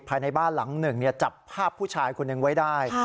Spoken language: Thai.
ภายในบ้านหลังหนึ่งจับภาพผู้ชายคนหนึ่งไว้ได้